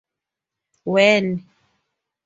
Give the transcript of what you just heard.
When?